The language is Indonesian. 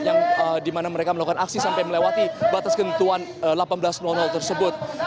yang dimana mereka melakukan aksi sampai melewati batas kentuan delapan belas tersebut